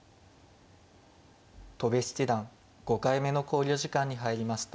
戸辺七段５回目の考慮時間に入りました。